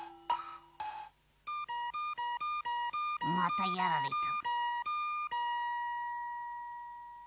またやられた。